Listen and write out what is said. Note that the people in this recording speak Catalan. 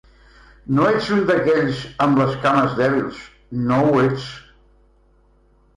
No ets un d'aquells amb les cames dèbils, no ho ets.